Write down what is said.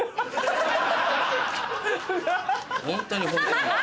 ホントにホントに。